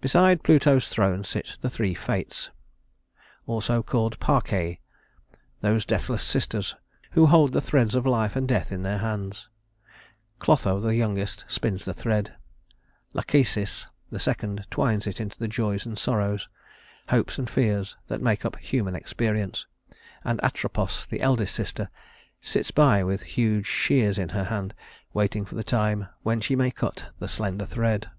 Beside Pluto's throne sit the three Fates (also called Parcæ), those deathless sisters who hold the threads of life and death in their hands. Clotho, the youngest, spins the thread; Lachesis, the second, twines into it the joys and sorrows, hopes and fears that make up human experience; and Atropos, the eldest sister, sits by with huge shears in her hand, waiting for the time when she may cut the slender thread.